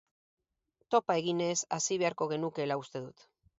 Topa eginez hasi beharko genukeela uste dut.